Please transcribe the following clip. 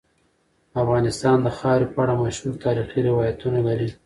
افغانستان د خاوره په اړه مشهور تاریخی روایتونه لري.